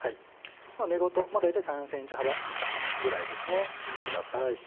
根ごと大体３ｃｍ幅ぐらい切ってください。